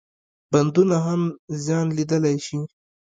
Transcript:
بندونه هم زیان لیدلای شي.